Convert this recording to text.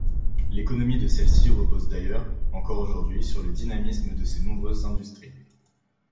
L'économie de celle-ci repose d'ailleurs, encore aujourd'hui sur le dynamisme de ses nombreuses industries.